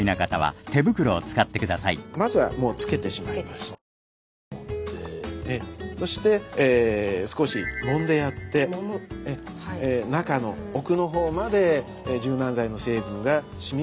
まずはもうつけてしまいましてそして少しもんでやって中の奥のほうまで柔軟剤の成分がしみ渡るようにしてやります。